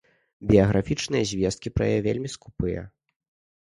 Біяграфічныя звесткі пра яе вельмі скупыя.